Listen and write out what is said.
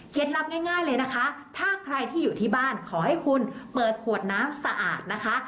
ลับง่ายเลยนะคะถ้าใครที่อยู่ที่บ้านขอให้คุณเปิดขวดน้ำสะอาดนะคะ